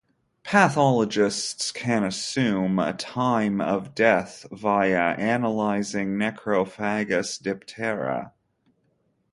Pathologists can assume a time of death via analysing necrophagous diptera.